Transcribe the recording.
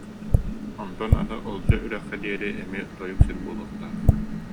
Онтон аны Олдьо үрэххэ диэри эмиэ тойук сир буолуохтаах